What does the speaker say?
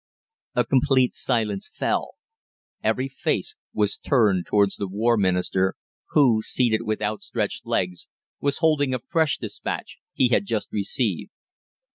A complete silence fell. Every face was turned towards the War Minister, who, seated with outstretched legs, was holding a fresh despatch he had just received.